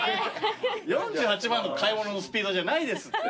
４８万の買い物のスピードじゃないですって。